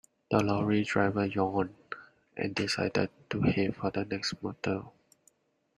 The lorry driver yawned and decided to head for the next motel.